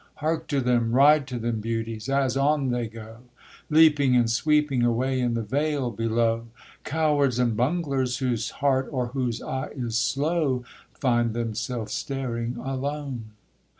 Hark to them, ride to them, beauties! as on they go, Leaping and sweeping away in the vale below! Cowards and bunglers, whose heart or whose eye is slow, Find themselves staring alone.